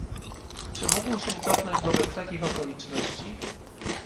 Czy mógł się cofnąć wobec takich okoliczności?